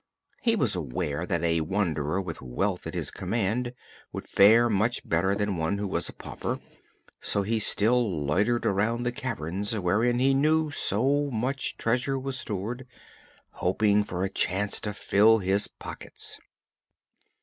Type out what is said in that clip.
He was aware that a wanderer with wealth at his command would fare much better than one who was a pauper, so he still loitered around the caverns wherein he knew so much treasure was stored, hoping for a chance to fill his pockets.